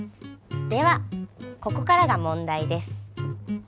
ではここからが問題です。